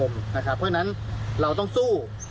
เพราะฉะนั้นเราต้องสู้